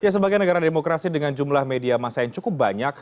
sebagai negara demokrasi dengan jumlah media masa yang cukup banyak